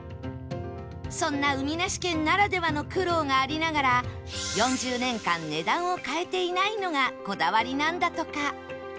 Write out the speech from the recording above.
そんな海なし県ならではの苦労がありながら４０年間値段を変えていないのがこだわりなんだとか